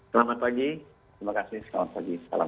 selamat pagi terima kasih